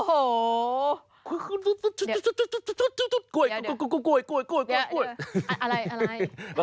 โอ้โห